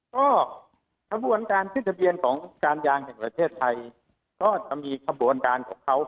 ก็ขบวนการขึ้นทะเบียนของการยางแห่งประเทศไทยก็จะมีขบวนการของเขา